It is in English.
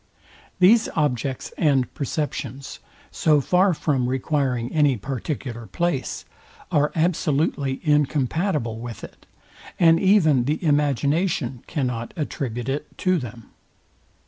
These objects and perceptions, so far from requiring any particular place, are absolutely incompatible with it, and even the imagination cannot attribute it to them.